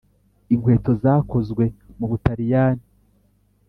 inkweto zakozwe mu butaliyani.